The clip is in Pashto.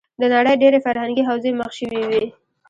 د نړۍ ډېری فرهنګې حوزې مخ شوې وې.